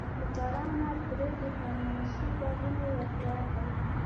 د فراه انار درې د هخامنشي باغونو یادګار دی